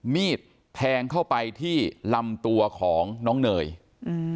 มีดแทงเข้าไปที่ลำตัวของน้องเนยอืม